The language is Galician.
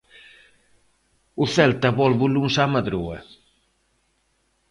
O Celta volve o luns á Madroa.